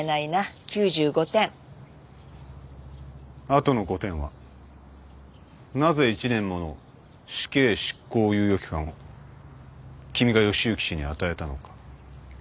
後の５点はなぜ１年もの死刑執行猶予期間を君が義之氏に与えたのか？